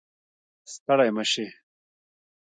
ستړی مه شې